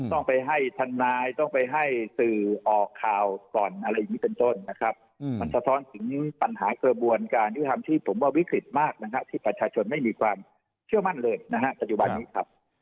ต้องไปให้ทนายต้องไปให้สื่อออกข่าวก่อนอะไรอย่างนี้เป็นต้นนะครับมันสะท้อนถึงปัญหากระบวนการยุทธรรมที่ผมว่าวิกฤตมากนะฮะที่ประชาชนไม่มีความเชื่อมั่นเลยนะฮะปัจจุบันนี้ครับ